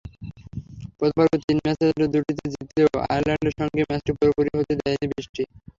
প্রথম পর্বের তিন ম্যাচের দুটিতে জিতলেও আয়ারল্যান্ডের সঙ্গে ম্যাচটি পুরোপুরি হতে দেয়নি বৃষ্টি।